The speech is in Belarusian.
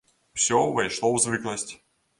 Усё ўвайшло ў звыкласць.